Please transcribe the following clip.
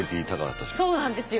そうなんですよ。